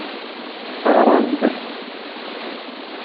Teɣra-am-d.